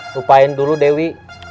lupain dulu dewi